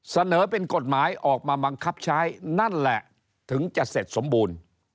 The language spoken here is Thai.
เสนอเป็นกฎหมายออกมาบังคับใช้นั่นแหละถึงจะเสร็จสมบูรณ์